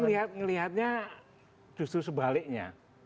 saya melihatnya justru sebaliknya